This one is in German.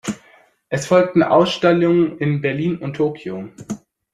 Es folgten Ausstellungen in Berlin und Tokio.